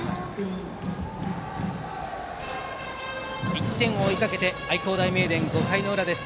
１点を追いかけて愛工大名電、５回の裏です。